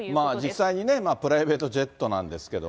実際にプライベートジェットなんですけども。